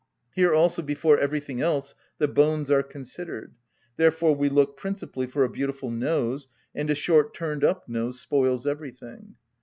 Here also before everything else the bones are considered; therefore we look principally for a beautiful nose, and a short turned‐up nose spoils everything.